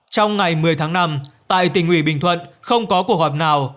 trong ngày một mươi tháng năm tại tình hủy bình thuận không có cuộc họp nào